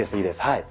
はい。